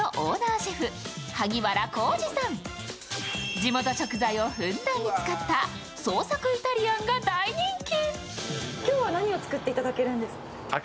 地元食材をふんだんに使った創作イタリアンが大人気。